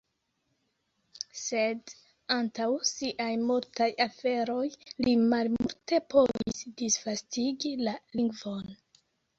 Sed, antaŭ siaj multaj aferoj, li malmulte povis disvastigi la lingvon.